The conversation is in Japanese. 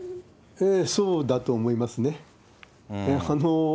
そうだと思いますね。